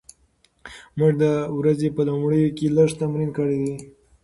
موږ د ورځې په لومړیو کې لږ تمرین کړی دی.